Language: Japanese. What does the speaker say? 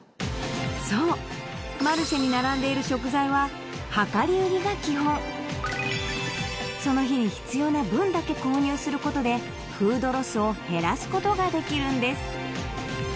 そうマルシェに並んでいる食材は量り売りが基本その日に必要な分だけ購入することでフードロスを減らすことができるんです